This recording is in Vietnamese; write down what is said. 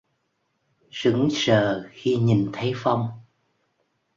Sững sờ khi nhìn thấy Phong